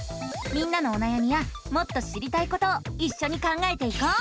みんなのおなやみやもっと知りたいことをいっしょに考えていこう！